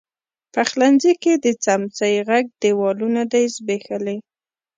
پخلنځي کې د څمڅۍ ږغ، دیوالونو دی زبیښلي